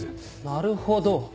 なるほど。